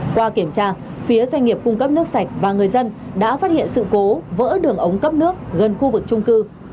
qua kiểm tra phía doanh nghiệp cung cấp nước sạch và người dân đã phát hiện sự cố vỡ đường ống cấp nước gần khu vực trung cư